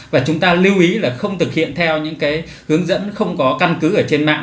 và chúng ta lưu ý là không thực hiện theo những hướng dẫn không có căn cứ ở trên mạng